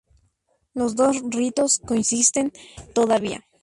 Los dos ritos coexisten todavía.